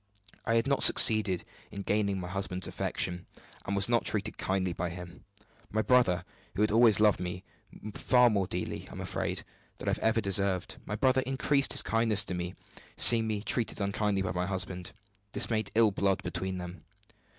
I had not succeeded in gaining my husband's affection, and was not treated kindly by him. My brother who has always loved me far more dearly, I am afraid, than I have ever deserved my brother increased his kindness to me, seeing me treated unkindly by my husband. This made ill blood between them.